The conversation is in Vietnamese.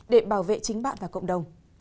để bảo vệ chính bạn và cộng đồng